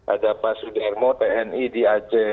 ada pak sudermo tni di aceh